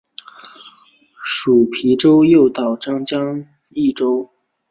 属邕州右江道羁縻州。